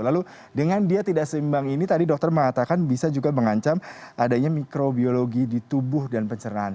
lalu dengan dia tidak seimbang ini tadi dokter mengatakan bisa juga mengancam adanya mikrobiologi di tubuh dan pencernaan